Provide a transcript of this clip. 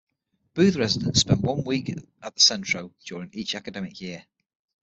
Booth Residents spend one week at the Centro during each academic year.